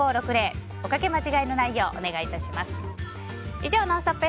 以上ＮＯＮＳＴＯＰ！